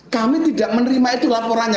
kami tidak menerima itu laporannya